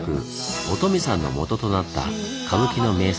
「お富さん」のもととなった歌舞伎の名作